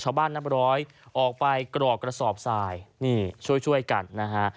ชาวบ้านนับร้อยออกไปกรอกกระสอบทรายช่วยกันนะฮะ